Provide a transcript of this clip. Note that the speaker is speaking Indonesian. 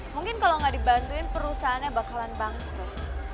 mungkin kalau gak dibantuin perusahaannya bakalan bangkuk